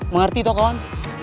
mengerti toh kawan